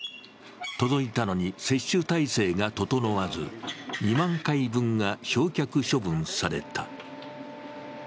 届いたのに接種体制が整わず２万回分が焼却処分された。